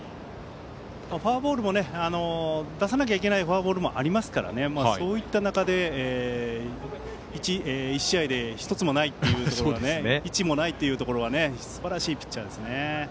フォアボールも出さなきゃいけないフォアボールもありますからそういった中で１試合で１つもないというのは１もないというところがすばらしいピッチャーですね。